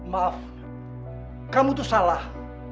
maaf kamu itu salah